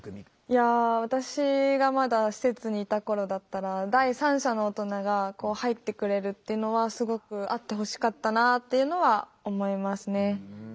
いや私がまだ施設にいた頃だったら第三者の大人が入ってくれるっていうのはすごくあってほしかったなっていうのは思いますね。